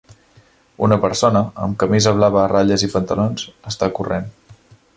Una persona, amb camisa blava a ratlles i pantalons, està corrent.